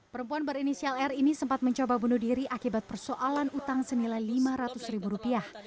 perempuan berinisial r ini sempat mencoba bunuh diri akibat persoalan utang senilai lima ratus ribu rupiah